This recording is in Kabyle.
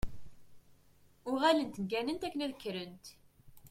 Uɣalent gganent akken ad kkrent.